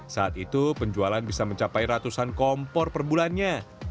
saat itu penjualan bisa mencapai ratusan kompor per bulannya